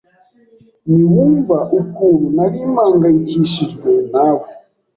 Ntiwumva ukuntu nari mpangayikishijwe nawe.